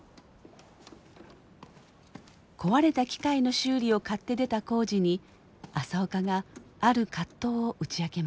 壊れた機械の修理を買って出た耕治に朝岡がある葛藤を打ち明けます。